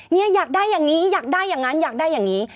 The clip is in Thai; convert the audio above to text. เนี่ยอยากได้อย่างนี้อยากได้อย่างนั้นอยากได้อย่างนี้